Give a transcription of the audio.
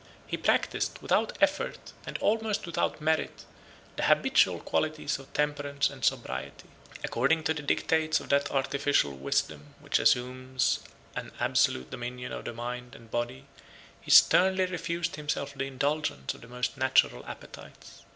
He practised, without effort, and almost without merit, the habitual qualities of temperance and sobriety. According to the dictates of that artificial wisdom, which assumes an absolute dominion over the mind and body, he sternly refused himself the indulgence of the most natural appetites.